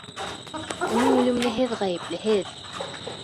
Уның үлеменә һеҙ ғәйепле, һеҙ!